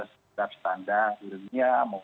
setiap standar di dunia